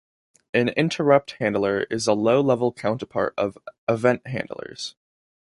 An interrupt handler is a low-level counterpart of event handlers.